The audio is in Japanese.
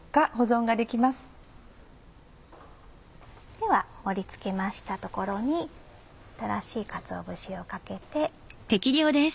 では盛り付けましたところに新しいかつお節をかけて。